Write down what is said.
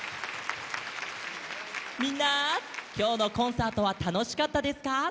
みんなきょうのコンサートはたのしかったですか？